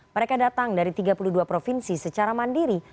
mereka datang dari tiga puluh dua provinsi secara mandiri